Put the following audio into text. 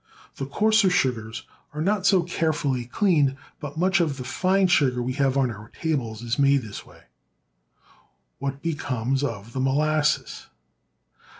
The coarser sugars are not so carefully cleaned, but much of the fine sugar we have on our tables is made in this way. What becomes of the molasses